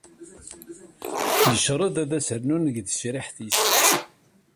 Yecreḍ ad s-rnun deg tcehrit-is.